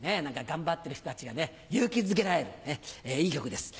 頑張ってる人たちが勇気づけられるいい曲です。